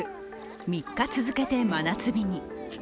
３日続けて真夏日に。